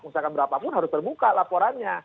usahakan berapa pun harus terbuka laporannya